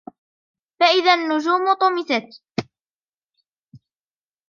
فإذا النجوم طمست